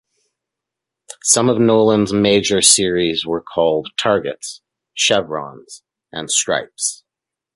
Some of Noland's major series were called "Targets," "Chevrons" and "Stripes".